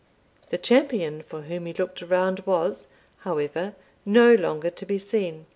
The champion for whom he looked around was, however, no longer to be seen.